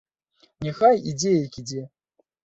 Няхай ідзе, як ідзе!